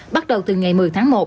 bắt đầu từ ngày một mươi tháng một